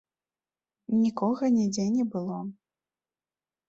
Нікога нідзе не было.